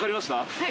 はい。